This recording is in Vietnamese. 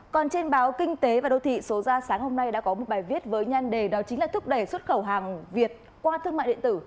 còn trên báo kinh tế và đô thị số ra sáng hôm nay đã có một bài viết với nhan đề đó chính là thúc đẩy xuất khẩu hàng việt qua thương mại điện tử